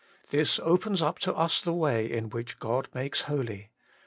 This opens up to us the way in which God makes holy.